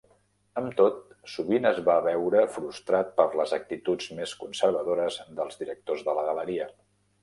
Amb tot, sovint es va veure frustrat per les actituds més conservadores dels directors de la galeria.